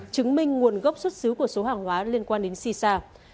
chứng minh nguồn gốc xuất xứ của số hàng hóa liên quan đến xì xa